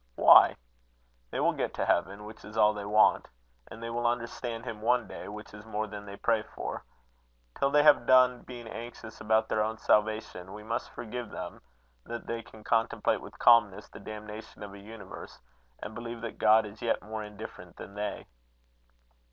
"Why? They will get to heaven, which is all they want. And they will understand him one day, which is more than they pray for. Till they have done being anxious about their own salvation, we must forgive them that they can contemplate with calmness the damnation of a universe, and believe that God is yet more indifferent than they."